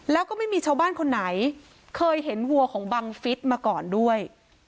แล้วก็ไม่มีชาวบ้านคนไหนเคยเห็นวัวของบังฟิศมาก่อนด้วย